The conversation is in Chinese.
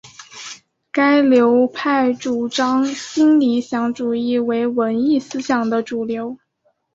该流派主张新理想主义为文艺思想的主流。